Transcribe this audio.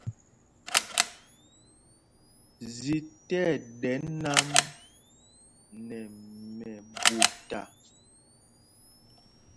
Zī tí ɛɗɛ nǎm nɛ mɛɓuta.